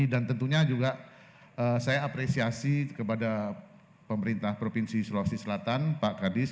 dan tentunya juga saya apresiasi kepada pemerintah provinsi sulawesi selatan pak kadis